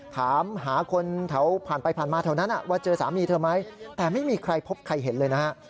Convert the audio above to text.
ถามหาคนแถวผ่านไปผ่านมาแถวนั้นว่าเจอสามีเธอไหมแต่ไม่มีใครพบใครเห็นเลยนะฮะ